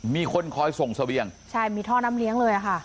มีคนคอยส่งเสบียงใช่มีท่อน้ำเลี้ยงเลยค่ะ